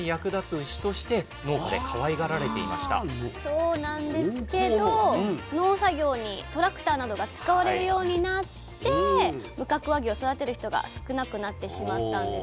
そうなんですけど農作業にトラクターなどが使われるようになって無角和牛を育てる人が少なくなってしまったんです。